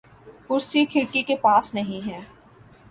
کرسی کھڑکی کے پاس نہیں ہے